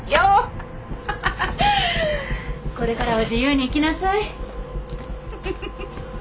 これからは自由に生きなさい。